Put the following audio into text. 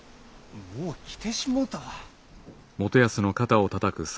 もう着てしもうたわ。